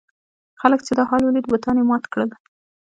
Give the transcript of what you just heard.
خلکو چې دا حال ولید بتان یې مات کړل.